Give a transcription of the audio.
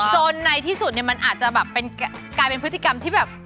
จนในที่สุดเนี่ยมันอาจจะแบบกลายเป็นพฤติกรรมที่แบบ